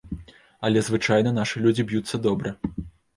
Але звычайна нашы людзі б'юцца добра.